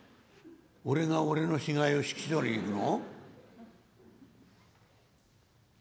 「俺が俺の死骸を引き取りに行くの？」。